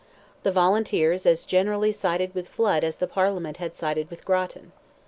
The volunteers as generally sided with Flood as the Parliament had sided with Grattan.